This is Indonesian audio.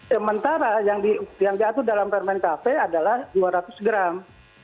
sementara yang diatur dalam permen kv adalah dua ratus gram